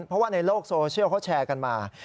เพราะว่าในโลกโซเชียลเขาแชร์กันมา